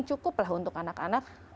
cukuplah untuk anak anak